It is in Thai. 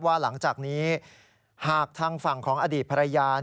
หลังจากนี้หากทางฝั่งของอดีตภรรยา